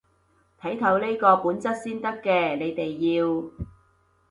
睇透呢個本質先得嘅，你哋要